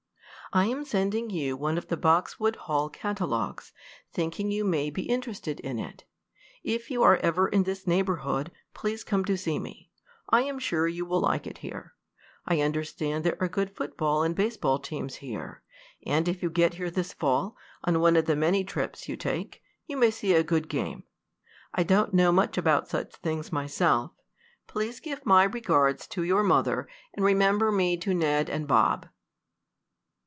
"I am sending you one of the Boxwood Hall catalogues, thinking you may be interested in it. If you are ever in this neighborhood, please come to see me. I am sure you will like it here. I understand there are good football and baseball teams here, and if you get here this fall, on one of the many trips you take, you may see a good game. I don't know much about such things myself. Please give my regards to your mother, and remember me to Ned and Bob."